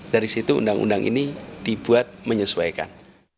dari situ undang undang ini dibuat menyesuaikan